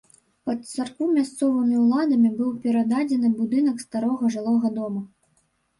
Пад царкву мясцовымі ўладамі быў перададзены будынак старога жылога дома.